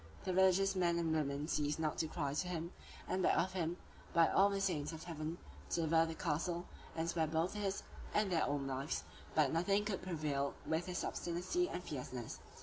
The religious men and women ceased not to cry to him, and beg of him, by all the saints of heaven, to deliver the castle, and spare both his and their own lives; but nothing could prevail with his obstinacy and fierceness.